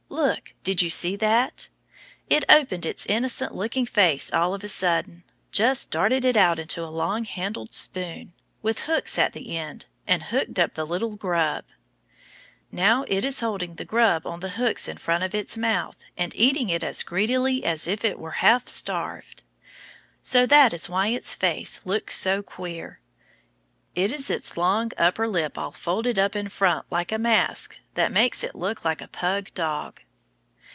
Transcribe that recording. Look! did you see that? It opened its innocent looking face all of a sudden, just darted it out into a long handled spoon, with hooks at the end, and hooked up that little grub. Now it is holding the grub on the hooks in front of its mouth and eating it as greedily as if it were half starved. So that is why its face looks so queer. It is its long under lip all folded up in front like a mask that makes it look like a pug dog.